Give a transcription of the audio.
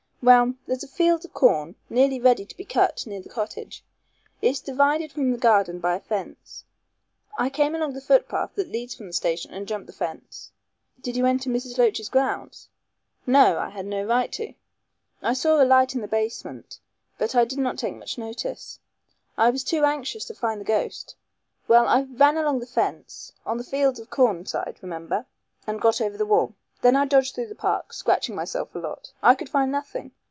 "Well, there's a field of corn nearly ready to be cut near the cottage. It's divided from the garden by a fence. I came along the foot path that leads from the station and jumped the fence." "Did you enter Miss Loach's grounds?" "No. I had no right to. I saw a light in the basement, but I did not take much notice. I was too anxious to find the ghost. Well, I ran along the fence on the field of corn side, remember, and got over the wall. Then I dodged through the park, scratching myself a lot. I could find nothing.